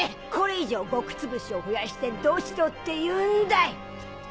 これ以上ごくつぶしを増やしてどうしろっていうんだい。